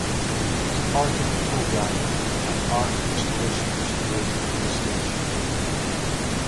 As part of the program, an art installation was created for the station.